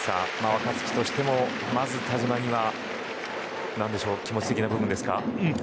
若月としてもまず田嶋には気持ち的な部分ですか。